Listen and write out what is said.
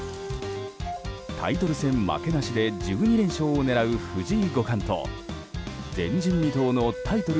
タイトル戦負けなしで１２連勝を狙う藤井五冠と前人未到の、タイトル